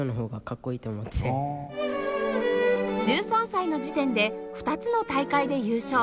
１３歳の時点で２つの大会で優勝